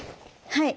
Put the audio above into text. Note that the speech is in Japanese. はい。